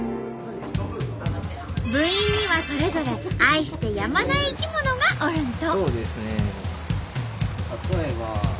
部員にはそれぞれ愛してやまない生き物がおるんと。